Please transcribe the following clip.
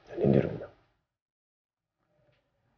anin di rumah